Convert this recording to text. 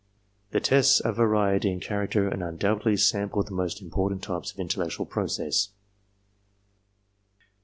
The tests are varied in character and undoubtedly sample the most important types of intellectual process.